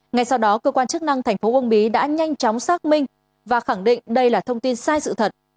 ngay sau đó cơ quan chức năng thành phố uông bí đã nhanh chóng xác minh và khẳng định đây là thông tin sai sự thật